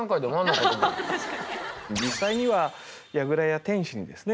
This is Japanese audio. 実際には櫓や天守にですね